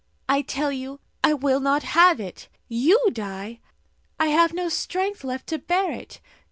"I tell you, I will not have it! You die? I have no strength left to bear it.